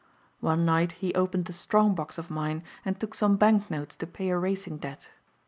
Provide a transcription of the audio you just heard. One night he opened a strong box of mine and took some bank notes to pay a racing debt.